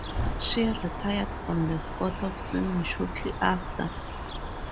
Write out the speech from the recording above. She retired from the sport of swimming shortly after.